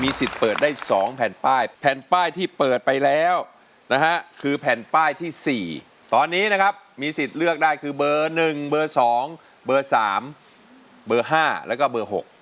สิทธิ์เปิดได้๒แผ่นป้ายแผ่นป้ายที่เปิดไปแล้วนะฮะคือแผ่นป้ายที่๔ตอนนี้นะครับมีสิทธิ์เลือกได้คือเบอร์๑เบอร์๒เบอร์๓เบอร์๕แล้วก็เบอร์๖